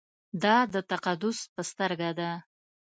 دا د تقدس په سترګه ده.